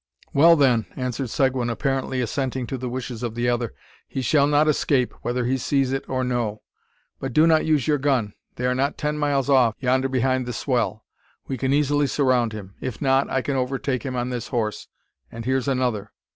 "Well, then," answered Seguin, apparently assenting to the wishes of the other, "he shall not escape, whether he sees it or no. But do not use your gun; they are not ten miles off, yonder behind the swell. We can easily surround him. If not, I can overtake him on this horse, and here's another."